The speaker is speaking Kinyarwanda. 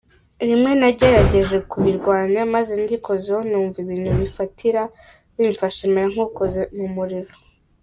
Rimwe nagerageje kubirwanya maze ngikozeho numva ibintu bifatira bimfashe mera nk’ukoze mu muriro.